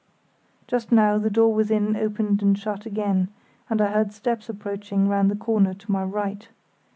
Just now the door within opened and shut again, and I heard steps approaching round the corner to my right.